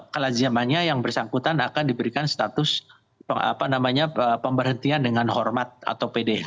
kelazimannya yang bersangkutan akan diberikan status pemberhentian dengan hormat atau pdh